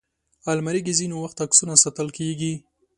الماري کې ځینې وخت عکسونه ساتل کېږي